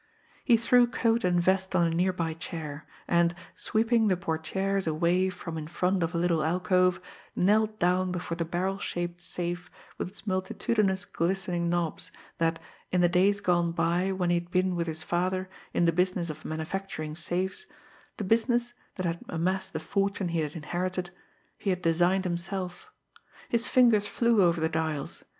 He threw coat and vest on a nearby chair; and, sweeping the portières away from in front of a little alcove, knelt down before the barrel shaped safe with its multitudinous glistening knobs, that, in the days gone by when he had been with his father in the business of manufacturing safes, the business that had amassed the fortune he had inherited, he had designed himself. His fingers flew over the dials.